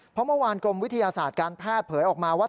เพราะเมื่อวานกรมวิทยาศาสตร์การแพทย์เผยออกมาว่า